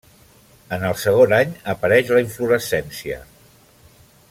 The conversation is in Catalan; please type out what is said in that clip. En el segon any apareix la inflorescència.